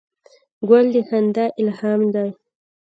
ګل د خندا الهام دی.